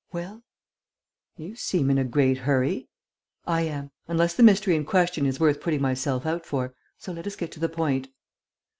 "Well?" "You seem in a great hurry!" "I am ... unless the mystery in question is worth putting myself out for. So let us get to the point."